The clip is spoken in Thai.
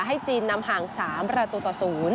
ให้จีนนำห่าง๓ประตูต่อ๐